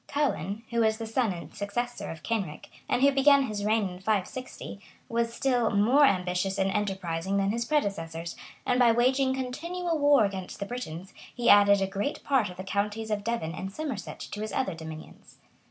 Ceaulin, who was the son and successor of Kenric, and who began his reign in 560, was still, more ambitious and enterprising than his predecessors; and by waging continual war against the Britons, he added a great part of the counties of Devon and Somerset to his other dominions.